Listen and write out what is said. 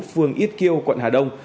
phường ít kiêu quận hà đông